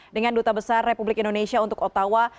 dengan duta besar republik indonesia untuk ottawa